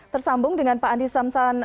tersambung dengan pak andi samsan